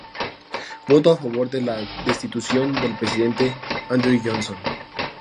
Voto a favor de la destitución del presidente Andrew Johnson.